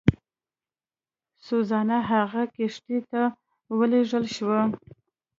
سوزانا هغې کښتۍ ته ولېږدول شوه.